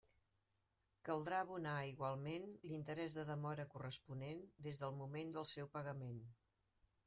Caldrà abonar, igualment, l'interès de demora corresponent des del moment del seu pagament.